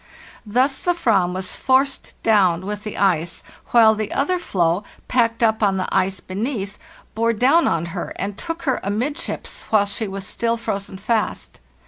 Thus the fram was forced down with the ice, while the other floe, packed up on the ice beneath, bore down on her, and took her amidships while she was still frozen fast.